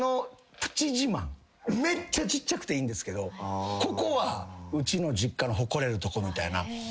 めっちゃちっちゃくていいんですけどここはうちの実家の誇れるとこみたいな。